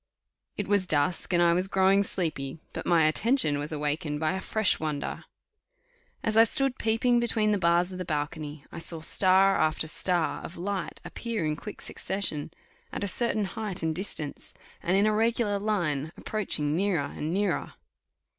It was dusk, and I was growing sleepy, but my attention was awakened by a fresh wonder. As I stood peeping between the bars of the balcony, I saw star after star of light appear in quick succession, at a certain height and distance, and in a regular line, approaching nearer and nearer.